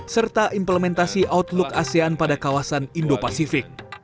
serta implementasi outlook asean pada kawasan indo pasifik